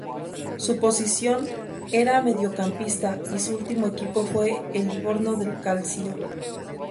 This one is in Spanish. Su posición era mediocampista y su último equipo fue el Livorno del Calcio.